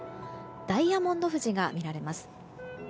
ダイヤモンド富士が見られます。